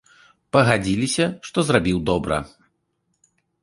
Пагадзіліся, што зрабіў добра.